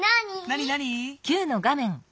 なになに？